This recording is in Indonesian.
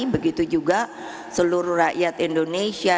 begitu juga seluruh rakyat indonesia